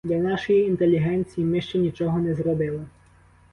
Для нашої інтелігенції ми ще нічого не зробили.